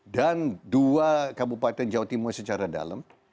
dan dua kabupaten jawa timur secara dalam